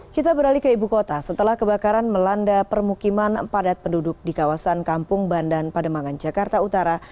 kita beralih ke ibu kota setelah kebakaran melanda permukiman padat penduduk di kawasan kampung bandan pademangan jakarta utara